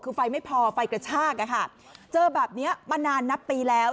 คือไฟไม่พอไฟกระชากอะค่ะเจอแบบนี้มานานนับปีแล้ว